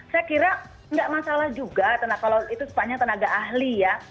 saya kira tidak masalah juga kalau itu sifatnya tenaga ahli ya